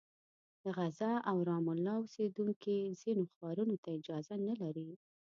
د غزه او رام الله اوسېدونکي ځینو ښارونو ته اجازه نه لري.